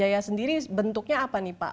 daya sendiri bentuknya apa nih pak